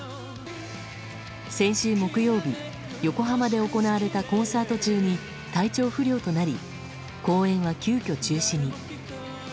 先週木曜日、横浜で行われたコンサート中に体調不良となり公演は急きょ中止に。